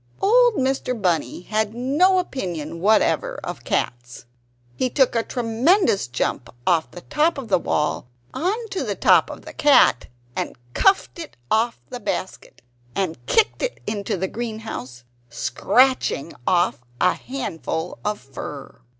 Old Mr. Bunny had no opinion whatever of cats. He took a tremendous jump off the top of the wall on to the top of the cat, and cuffed it off the basket, and kicked it into the greenhouse, scratching off a handful of fur.